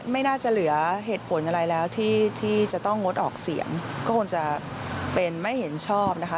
ไม่น่าจะเหลือเหตุผลอะไรแล้วที่จะต้องงดออกเสียงก็คงจะเป็นไม่เห็นชอบนะคะ